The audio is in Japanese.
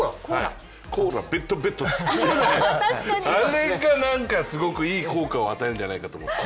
コーラ、ベットベトなのであれがすごくいい効果を与えるんじゃないかと思う。